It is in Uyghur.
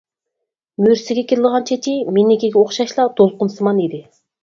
مۈرىسىگە كېلىدىغان چېچى مېنىڭكىگە ئوخشاشلا دولقۇنسىمان ئىدى.